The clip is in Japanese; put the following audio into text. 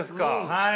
はい。